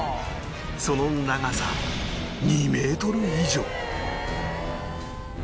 その長さ２メートル以上